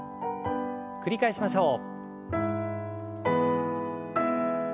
繰り返しましょう。